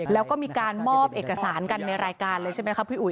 แล้วก็มีการมอบเอกสารกันในรายการเลยใช่ไหมครับพี่อุ๋